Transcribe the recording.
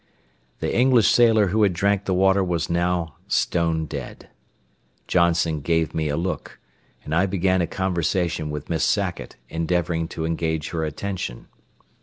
The English sailor who had drank the water was now stone dead. Johnson gave me a look, and I began a conversation with Miss Sackett, endeavoring to engage her attention.